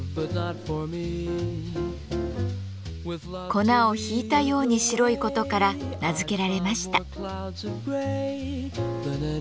粉を引いたように白い事から名付けられました。